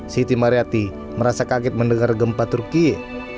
siti mariati merasa kaget mendengar gempa turkiye